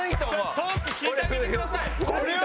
トーク聞いてあげてください。